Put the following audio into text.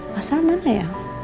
masalah mana ya